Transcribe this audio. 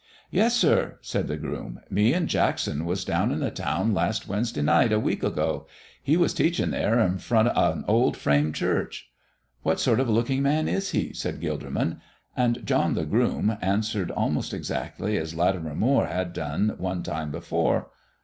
"Yes, sir," said the groom. "Me and Jackson was down in the town last Wednesday night a week ago. He was teaching there in front of an old frame church." "What sort of looking man is He?" said Gilderman; and John, the groom, answered almost exactly as Latimer Moire had done one time before.